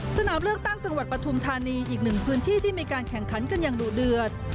สนามเลือกตั้งจังหวัดปฐุมธานีอีกหนึ่งพื้นที่ที่มีการแข่งขันกันอย่างดุเดือด